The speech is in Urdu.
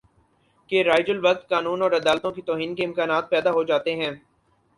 کہ رائج الوقت قانون اور عدالتوں کی توہین کے امکانات پیدا ہو جاتے ہیں